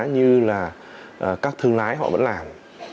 như là các thương lái họ vẫn làm